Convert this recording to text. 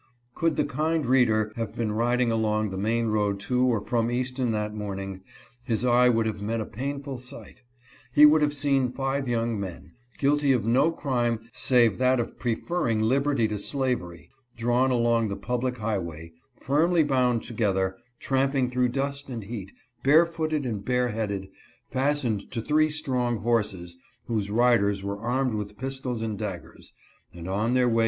Could the kind reader have been riding along the main road to or from Easton that morning, his eye would have met a painful sight. He would have seen five young men, guilty of no crime save that of preferring liberty to slav ery, drawn along the public highway — firmly bound together, tramping through dust and heat, bare footed and tare headed — fastened to three strong horses, whose riders were armed with pistols and daggers, and on their way 212 MORAL VULTURES.